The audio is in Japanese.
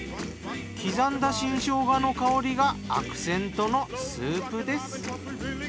刻んだ新しょうがの香りがアクセントのスープです。